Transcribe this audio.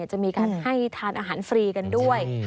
จะมีการให้ทานอาหารฟรีกันด้วย